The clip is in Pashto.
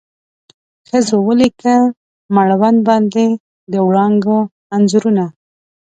ښځو ولیکل مړوند باندې د وړانګو انځورونه